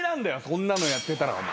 そんなのやってたらお前。